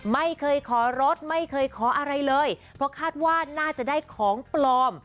ไม่เคยขอรถไม่เคยขออะไรเลยเพราะคาดว่าน่าจะได้ของปลอม